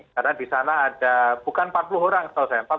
karena di sana ada bukan empat puluh orang setelah saya